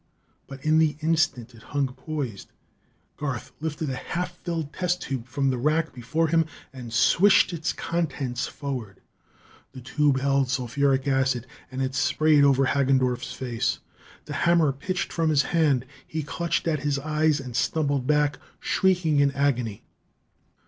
But in the instant it hung poised, Garth lifted a half filled test tube from the rack before him and swished its contents forward. The tube held sulphuric acid, and it sprayed over Hagendorff's face. The hammer pitched from his hand; he clutched at his eyes and stumbled back, shrieking in agony.